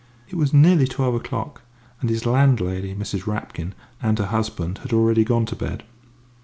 It was nearly twelve o'clock, and his landlady, Mrs. Rapkin, and her husband had already gone to bed.